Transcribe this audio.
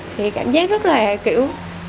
thì cảm giác rất là kiểu